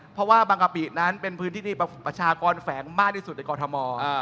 เพราะว่าบางกะปินั้นเป็นพื้นที่ที่ประชากรแฝงมากที่สุดในกรทม